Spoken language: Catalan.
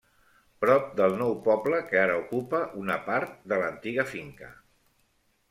Prop del nou poble que ara ocupa una part de l'antiga finca.